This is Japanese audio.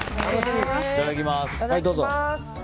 いただきます。